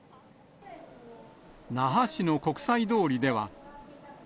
那覇市の国際通りでは。